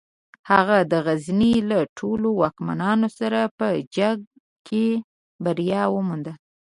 هغه د غزني له ټولو واکمنانو سره په جنګ کې بریا ومونده.